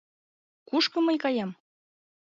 — Кушко мый каем?